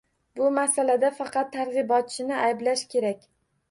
Bu masalada faqat targ‘ibotchini ayblash kerak.